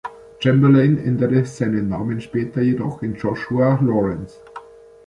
Chamberlain änderte seinen Namen später jedoch in Joshua Lawrence.